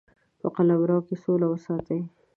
په قلمرو کې سوله وساتي.